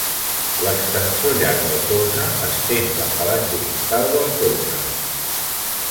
L'extensor llarg del polze estén la falange distal del polze.